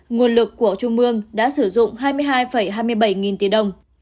nguồn lực của trung mương đã sử dụng hai mươi hai hai mươi bảy nghìn tỷ đồng